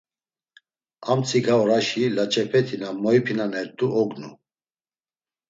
Ar mtsika oraşi laç̌epeti na moypinanert̆u ognu.